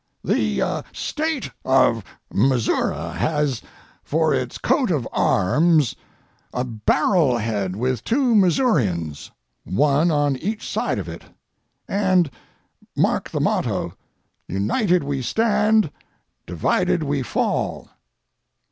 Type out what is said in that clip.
The State of Missouri has for its coat of arms a barrel head with two Missourians, one on each side of it, and mark the motto—"United We Stand, Divided We Fall."